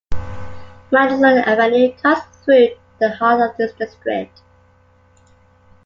Madison Avenue cuts through the heart of this district.